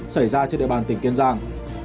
xảy ra trên địa bàn tỉnh kiên giang